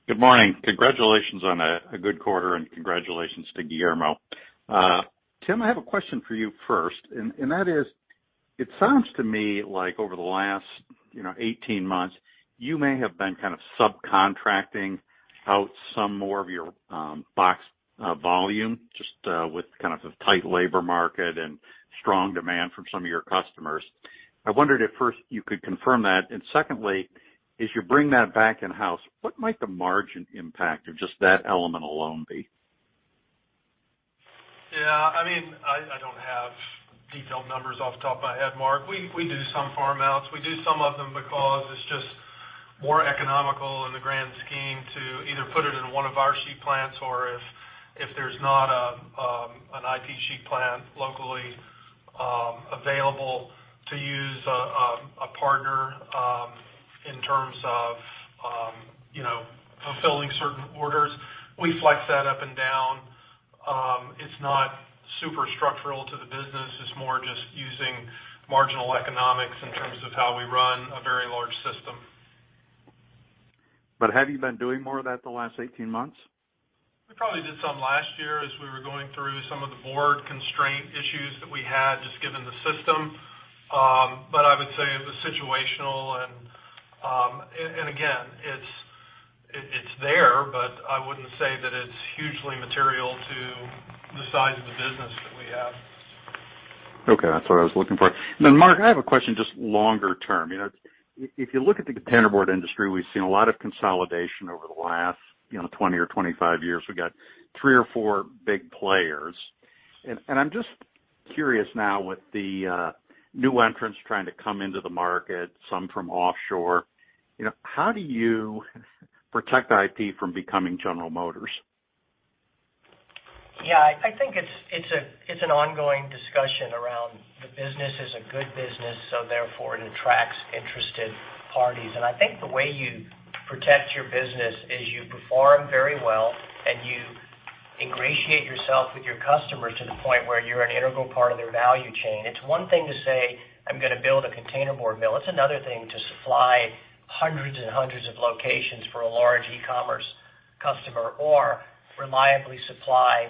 Good morning. Congratulations on a good quarter, and congratulations to Guillermo. Tim, I have a question for you first, and that is, it sounds to me like over the last, you know, 18 months, you may have been kind of subcontracting out some more of your box volume, just with kind of the tight labor market and strong demand from some of your customers. I wondered if first you could confirm that. Secondly, as you bring that back in-house, what might the margin impact of just that element alone be? Yeah, I mean, I don't have detailed numbers off the top of my head, Mark. We do some farm outs. We do some of them because it's just more economical in the grand scheme to either put it in one of our sheet plants or if there's not an IP sheet plant locally available to use a partner in terms of you know fulfilling certain orders. We flex that up and down. It's not super structural to the business. It's more just using marginal economics in terms of how we run a very large system. Have you been doing more of that the last 18 months? We probably did some last year as we were going through some of the board constraint issues that we had, just given the system. I would say it was situational. Again, it's there, but I wouldn't say that it's hugely material to the size of the business that we have. Okay. That's what I was looking for. Mark, I have a question just longer term. You know, if you look at the containerboard industry, we've seen a lot of consolidation over the last, you know, 20 or 25 years. We've got three or four big players. I'm just curious now with the new entrants trying to come into the market, some from offshore, you know, how do you protect IP from becoming General Motors? Yeah. I think it's an ongoing discussion around the business is a good business, so therefore it attracts interested parties. I think the way you protect your business is you perform very well and you ingratiate yourself with your customers to the point where you're an integral part of their value chain. It's one thing to say, "I'm gonna build a containerboard mill." It's another thing to supply hundreds and hundreds of locations for a large e-commerce customer or reliably supply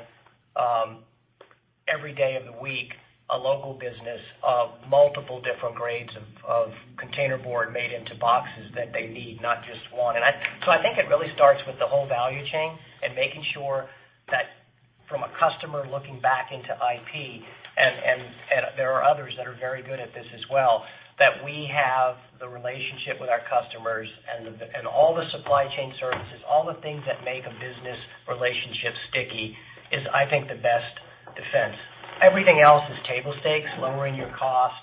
every day of the week, a local business of multiple different grades of containerboard made into boxes that they need, not just one. I think it really starts with the whole value chain and making sure that from a customer looking back into IP, and there are others that are very good at this as well, that we have the relationship with our customers and all the supply chain services, all the things that make a business relationship sticky is, I think, the best defense. Everything else is table stakes, lowering your cost,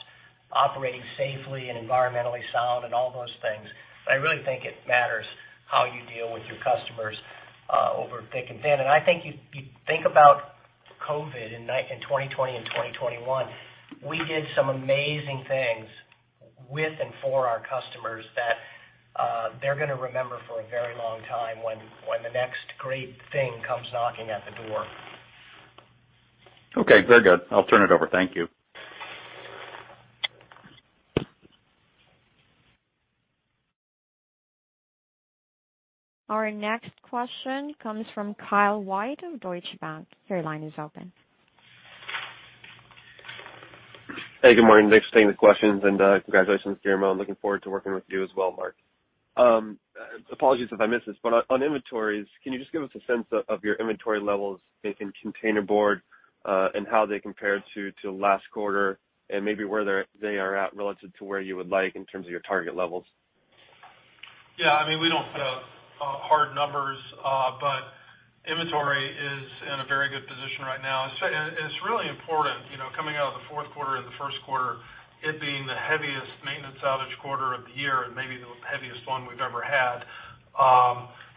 operating safely and environmentally sound and all those things. I really think it matters how you deal with your customers through thick and thin. I think you think about COVID in 2020 and 2021, we did some amazing things with and for our customers that they're gonna remember for a very long time when the next great thing comes knocking at the door. Okay, very good. I'll turn it over. Thank you. Our next question comes from Kyle White of Deutsche Bank. Your line is open. Hey, good morning. Thanks for taking the questions. Congratulations, Guillermo. I'm looking forward to working with you as well, Mark. Apologies if I missed this, but on inventories, can you just give us a sense of your inventory levels, say, in containerboard, and how they compare to last quarter and maybe where they are at relative to where you would like in terms of your target levels? Yeah, I mean, we don't set hard numbers, but inventory is in a very good position right now. It's really important, you know, coming out of the fourth quarter and the first quarter, it being the heaviest maintenance outage quarter of the year and maybe the heaviest one we've ever had,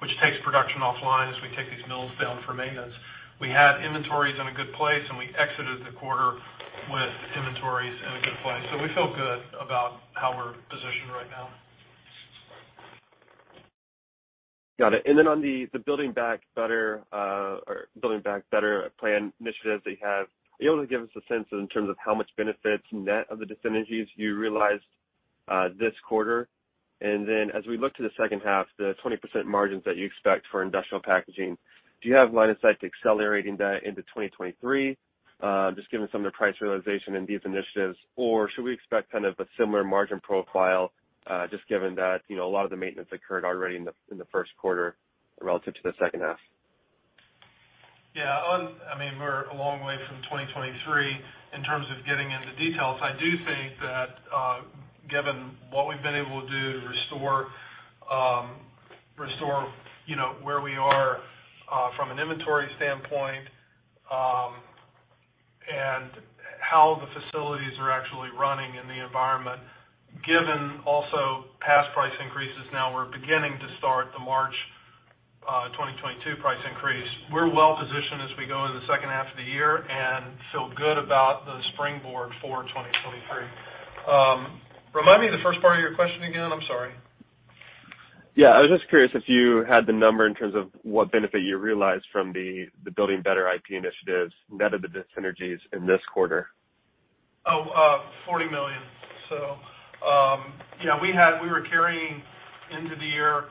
which takes production offline as we take these mills down for maintenance. We had inventories in a good place, and we exited the quarter with inventories in a good place. We feel good about how we're positioned right now. Got it. On the Building a Better IP plan initiatives that you have, are you able to give us a sense in terms of how much benefits net of the dis-synergies you realized this quarter? As we look to the second half, the 20% margins that you expect for Industrial Packaging, do you have line of sight to accelerating that into 2023, just given some of the price realization in these initiatives? Or should we expect kind of a similar margin profile, just given that, you know, a lot of the maintenance occurred already in the first quarter relative to the second half? Yeah, I mean, we're a long way from 2023 in terms of getting into details. I do think that, given what we've been able to do to restore you know, where we are from an inventory standpoint, and how the facilities are actually running in the environment, given also past price increases, now we're beginning to start the March 2022 price increase. We're well-positioned as we go into the second half of the year and feel good about the springboard for 2023. Remind me the first part of your question again. I'm sorry. Yeah. I was just curious if you had the number in terms of what benefit you realized from the Building Better IP initiatives net of the dyssynergies in this quarter. $40 million. Yeah, we were carrying into the year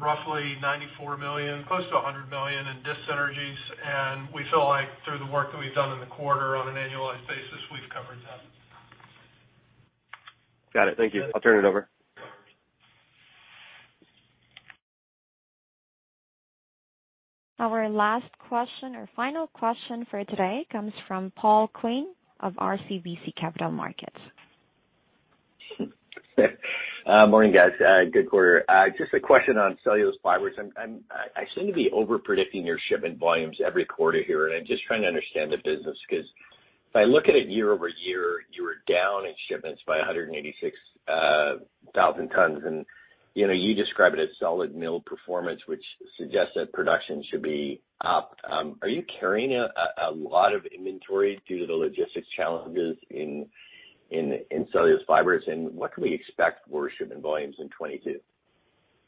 roughly $94 million, close to $100 million in dyssynergies, and we feel like through the work that we've done in the quarter on an annualized basis, we've covered that. Got it. Thank you. I'll turn it over. Our last question or final question for today comes from Paul Quinn of RBC Capital Markets. Morning, guys. Good quarter. Just a question on cellulose fibers. I seem to be over-predicting your shipment volumes every quarter here, and I'm just trying to understand the business 'cause if I look at it year-over-year, you were down in shipments by 186,000 tons, and you know, you describe it as solid mill performance, which suggests that production should be up. Are you carrying a lot of inventory due to the logistics challenges in cellulose fibers, and what can we expect for shipment volumes in 2022?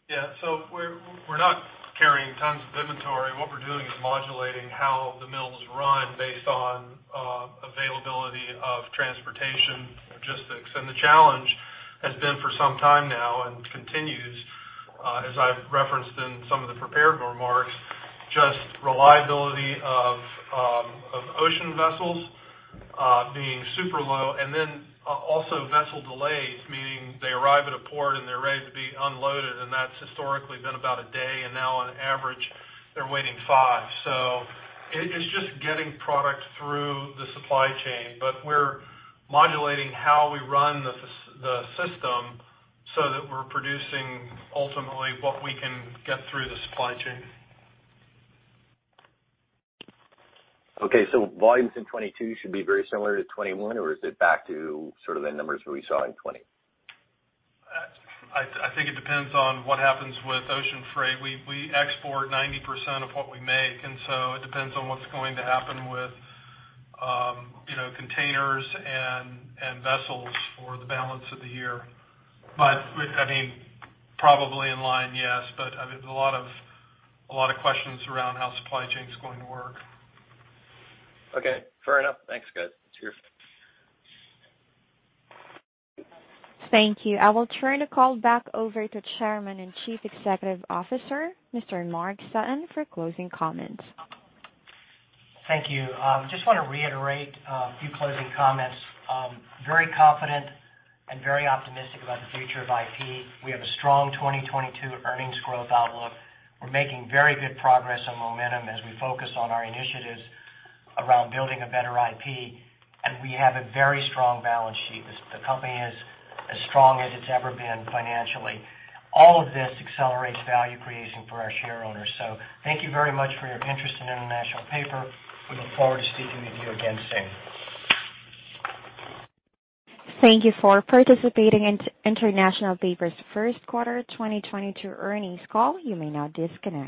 Yeah. We're not carrying tons of inventory. What we're doing is modulating how the mills run based on availability of transportation logistics. The challenge has been for some time now and continues, as I've referenced in some of the prepared remarks, just reliability of ocean vessels being super low and then also vessel delays, meaning they arrive at a port and they're ready to be unloaded, and that's historically been about a day, and now on average, they're waiting five. It is just getting product through the supply chain, but we're modulating how we run the system so that we're producing ultimately what we can get through the supply chain. Okay. Volumes in 2022 should be very similar to 2021, or is it back to sort of the numbers that we saw in 2020? I think it depends on what happens with ocean freight. We export 90% of what we make, and so it depends on what's going to happen with, you know, containers and vessels for the balance of the year. With, I mean, probably in line, yes, but, I mean, a lot of questions around how supply chain's going to work. Okay. Fair enough. Thanks, guys. Cheers. Thank you. I will turn the call back over to Chairman and Chief Executive Officer, Mr. Mark Sutton for closing comments. Thank you. Just wanna reiterate a few closing comments. Very confident and very optimistic about the future of IP. We have a strong 2022 earnings growth outlook. We're making very good progress on momentum as we focus on our initiatives around Building a Better IP, and we have a very strong balance sheet. The company is as strong as it's ever been financially. All of this accelerates value creation for our share owners. Thank you very much for your interest in International Paper. We look forward to speaking with you again soon. Thank you for participating in International Paper's first quarter 2022 earnings call. You may now disconnect.